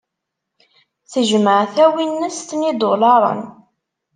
Tejmeɛ tawinest n yidulaṛen.